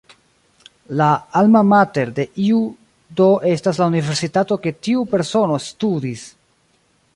La "Alma mater" de iu do estas la universitato kie tiu persono studis.